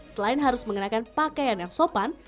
selain harus mengenakan pakaian yang sopan